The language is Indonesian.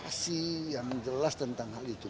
maka kita akan mempelajari secara mendalam soal itu hari ini